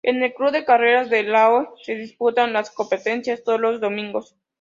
En el Club de Carreras de Lahore se disputan las competencias todos los domingos.